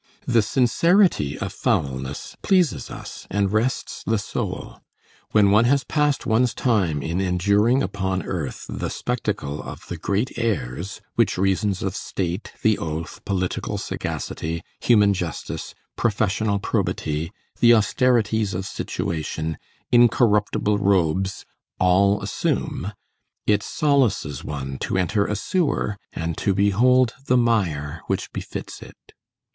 The sincerity of foulness pleases us, and rests the soul. When one has passed one's time in enduring upon earth the spectacle of the great airs which reasons of state, the oath, political sagacity, human justice, professional probity, the austerities of situation, incorruptible robes all assume, it solaces one to enter a sewer and to behold the mire which befits it.